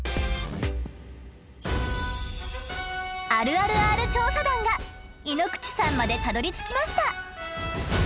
あるあるＲ調査団がいのくちさんまでたどりつきました。